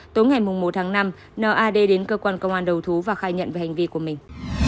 tối ngày một tháng năm n a d đến cơ quan công an đầu thú và khai nhận về hành vi của mình